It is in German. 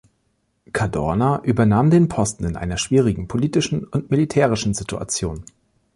Cadorna übernahm den Posten in einer schwierigen politischen und militärischen Situation.